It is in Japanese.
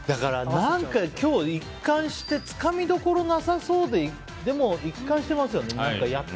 何か今日、一貫してつかみどころなさそうででも一貫してますよね